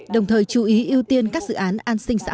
đồng thời chú ý ưu tiên các dự án an sinh xã hội